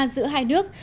giữa hai nước